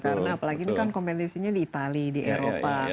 karena apalagi ini kan kompetisinya di itali di eropa